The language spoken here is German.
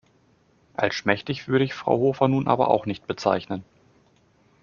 Als schmächtig würde ich Frau Hofer nun aber auch nicht bezeichnen.